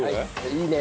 いいね。